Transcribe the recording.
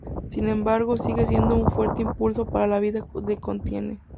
Sin embargo, sigue siendo un fuerte impulso para que la vida continúe.